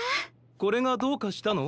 これがどうかしたの？